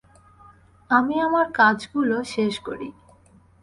আমি আমার কাজগুলো শেষ করি।